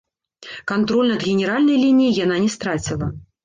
Кантроль над генеральнай лініяй яна не страціла.